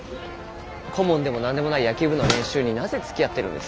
顧問でも何でもない野球部の練習になぜつきあってるんです？